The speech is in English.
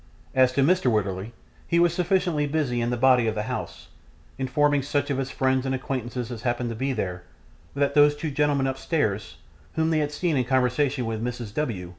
As to Mr. Wititterly, he was sufficiently busy in the body of the house, informing such of his friends and acquaintance as happened to be there, that those two gentlemen upstairs, whom they had seen in conversation with Mrs. W.